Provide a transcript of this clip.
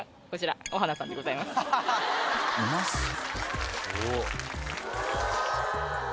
うまそう。